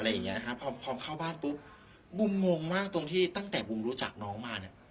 อย่างเงี้ยนะฮะพอพร้อมเข้าบ้านปุ๊บบุมงมากตรงที่ตั้งแต่บูมรู้จักน้องมาเนี่ย